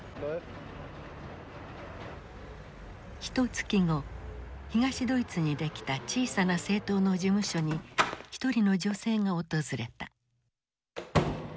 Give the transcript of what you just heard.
ひとつき後東ドイツにできた小さな政党の事務所に一人の女性が訪れた。